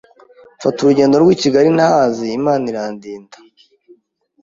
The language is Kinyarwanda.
mfata urugendo rw’I Kigali ntahazi Imana irandinda